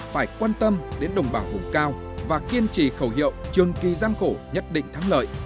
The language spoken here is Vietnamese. phải quan tâm đến đồng bào hùng cao và kiên trì khẩu hiệu trường kỳ gian khổ nhất định thắng lợi